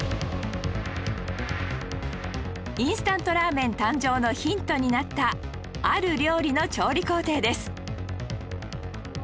インスタントラーメン誕生のヒントになったある料理の調理工程です